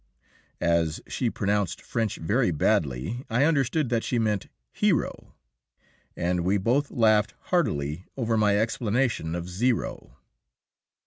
As she pronounced French very badly, I understood that she meant "hero," and we both laughed heartily over my explanation of "zero."